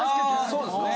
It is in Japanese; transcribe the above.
そうですね。